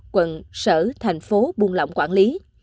quận sở thành phố buôn lỏng quản lý